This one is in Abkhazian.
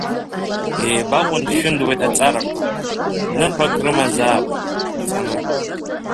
Еибарҟәындшәындуеит аҵарақәа, ныҳәак рымазаап, ҵаны.